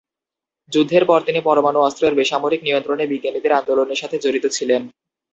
যুদ্ধের পর তিনি পরমাণু অস্ত্রের বেসামরিক নিয়ন্ত্রণে বিজ্ঞানীদের আন্দোলনের সাথে জড়িত ছিলেন।